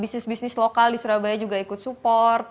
bisnis bisnis lokal di surabaya juga ikut support